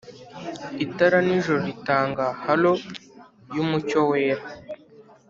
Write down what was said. itara-nijoro ritanga halo yumucyo wera.